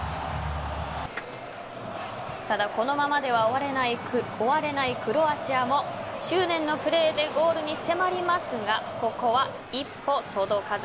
ただ、このままでは終われないクロアチアも執念のプレーでゴールに迫りますがここは一歩届かず。